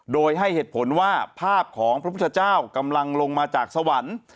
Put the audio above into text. โดยให้เหตุผลว่าภาพของพระพุทธเจ้ากำลังลงมาจากสวรรค์